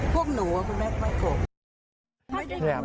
พวกหนูคุณแม่ก็ไม่โกรธ